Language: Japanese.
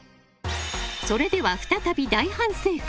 それでは再び大反省会。